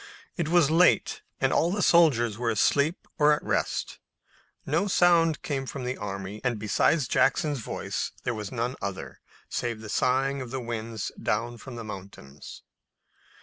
It was late, and all the soldiers were asleep or at rest. No sound came from the army, and besides Jackson's voice there was none other, save the sighing of the winds down from the mountains.